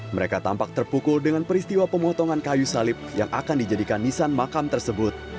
mereka tampak terpukul dengan peristiwa pemotongan kayu salib yang akan dijadikan nisan makam tersebut